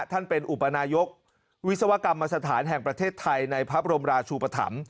ท่านเป็นอุปนายกวิศวกรรมสถานแห่งประเทศไทยในพระบรมราชูปธรรม